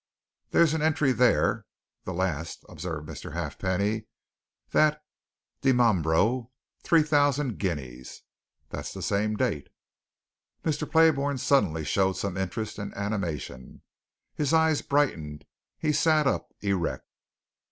"There's an entry there the last," observed Mr. Halfpenny. "That. 'Dimambro: three thousand guineas.' That's the same date." Mr. Playbourne suddenly showed some interest and animation. His eyes brightened; he sat up erect.